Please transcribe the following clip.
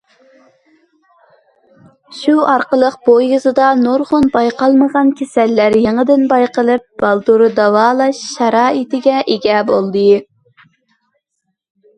شۇ ئارقىلىق بۇ يېزىدا نۇرغۇن بايقالمىغان كېسەللەر يېڭىدىن بايقىلىپ، بالدۇر داۋالاش شارائىتىغا ئىگە بولدى.